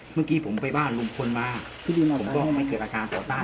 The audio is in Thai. เมื่อกี้ผมไปบ้านลุงพลมาผมก็ไม่เกิดอาการต่อต้าน